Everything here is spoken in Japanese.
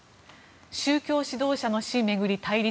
宗教指導者の死巡り対立